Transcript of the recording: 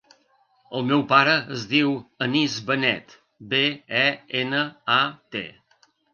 El meu pare es diu Anis Benet: be, e, ena, e, te.